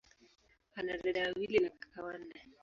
Ana dada wawili na kaka wanne.